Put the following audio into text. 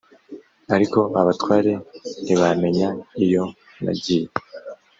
ariko abatware ntibamenya iyo nagiye’